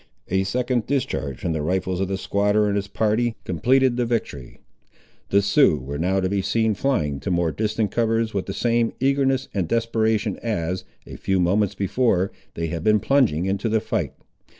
A second discharge from the rifles of the squatter and his party completed the victory. The Siouxes were now to be seen flying to more distant covers, with the same eagerness and desperation as, a few moments before, they had been plunging into the fight.